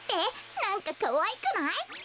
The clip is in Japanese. なんかかわいくない？はあ？